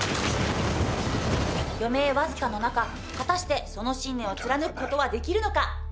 余命わずかの中果たしてその信念を貫く事はできるのか？